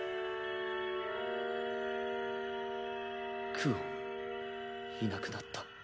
クオンいなくなった。